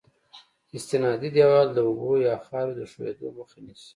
استنادي دیوال د اوبو یا خاورې د ښوېدلو مخه نیسي